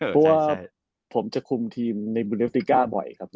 เพราะว่าผมจะคุมทีมในบูเนฟติก้าบ่อยครับ